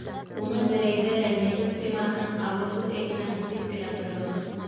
Уны берәйһе рәнйетеп ҡуймаһын, ауыр һүҙ әйтмәһен, тип кенә торҙом.